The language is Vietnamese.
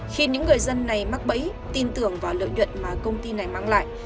khi những người dân này mắc bẫy tin tưởng vào lợi nhuận mà công ty này mang lại